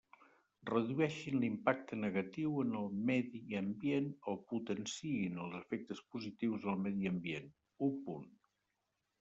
Redueixin l'impacte negatiu en el medi ambient o potenciïn els efectes positius en el medi ambient: un punt.